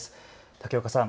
竹岡さん